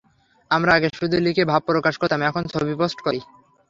আমরা আগে শুধু লিখে ভাব প্রকাশ করতাম, এখন ছবি পোস্ট করি।